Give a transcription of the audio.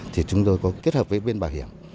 thì chúng tôi có kết hợp với bên bảo hiểm